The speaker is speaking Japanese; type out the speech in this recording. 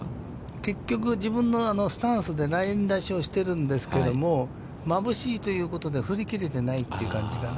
結局自分のスタンスでライン出しをしてるんですけども、まぶしいということで、振り切れてないという感じかな。